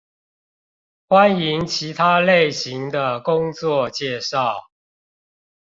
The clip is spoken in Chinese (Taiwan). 歡迎其他類型的工作介紹